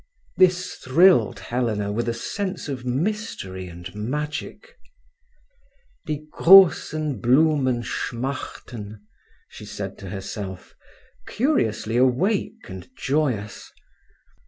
This thrilled Helena with a sense of mystery and magic. "'Die grossen Blumen schmachten,'" she said to herself, curiously awake and joyous.